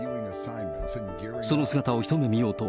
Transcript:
その姿を一目見ようと、